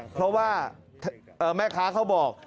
เพราะว่าแม่ค้าเขาบอก